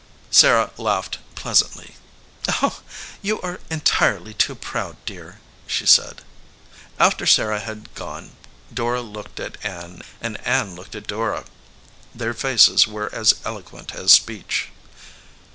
Sarah laughed pleasantly. "You are entirely too proud, dear," she said. After Sarah had gone Dora looked at Ann and Ann looked at Dora. Their faces were as eloquent as speech.